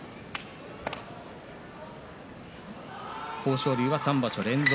豊昇龍は３場所連続。